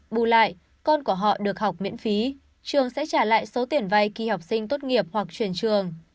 bù lại con của họ được học miễn phí trường sẽ trả lại số tiền vay khi học sinh tốt nghiệp hoặc chuyển trường